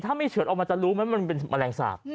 ถ้าไม่เฉิดออกมาจะรู้มันเป็นมะแรงสาบ